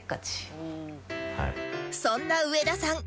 そんな上田さん